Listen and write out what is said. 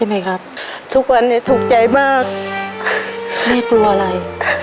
แม่กลัวอะไร